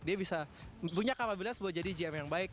dia bisa punya kapabilitas buat jadi gm yang baik